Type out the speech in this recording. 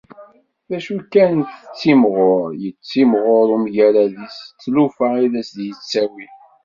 D acu kan tettimɣur, yettimɣur umgarad-is d tlufa i d as-d-yettawi.